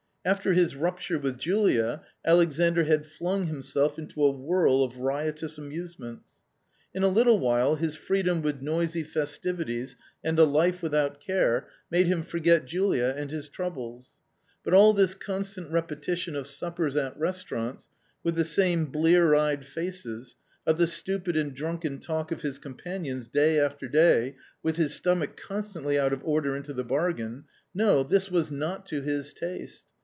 After his rupture with Julia, Alexandr had flung himself into a whirl of riotous amusements. In a little while his freedom with noisy festivities and a life without care made him forget Julia and his troubles. But all this constant repetition of suppers at restaurants, with the same blear eyed faces, of the stupid and drunken talk of his companions day after day, with his stomach constantly out of order into the bargain — no, this was not to his taste.